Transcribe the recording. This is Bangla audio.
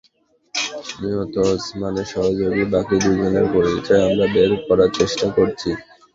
নিহত ওসমানের সহযোগী বাকি দুজনের পরিচয় আমরা বের করার চেষ্টা করছি।